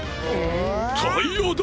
タイヤだ。